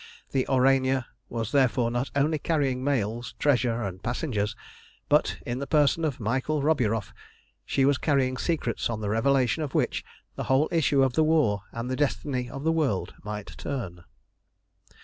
The Aurania was therefore not only carrying mails, treasure, and passengers, but, in the person of Michael Roburoff, she was carrying secrets on the revelation of which the whole issue of the war and the destiny of the world might turn.